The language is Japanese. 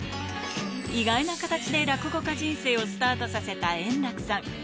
意外な形で落語家人生をスタートさせた円楽さん。